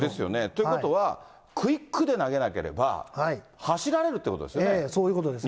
ということは、クイックで投げなければ、ええ、そういうことですね。